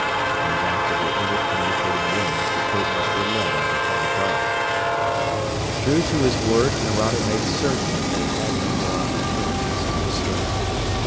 And back to their inter communicating rooms the prisoners were led under heavy guard. True to his word, Nerado made certain that they had no more opportunities to escape.